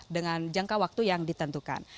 dengan jangka waktu yang ditentukan